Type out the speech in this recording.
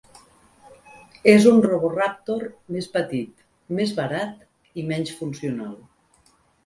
És un Roboraptor més petit, més barat i menys funcional.